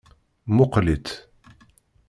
Muqqel-itt.